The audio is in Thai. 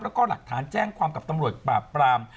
แล้วก็หลักฐานแจ้งความกับตำรวจปราบปราม